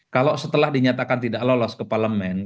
kalau setelah dinyatakan tidak lolos ke parlemen